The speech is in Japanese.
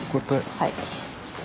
はい。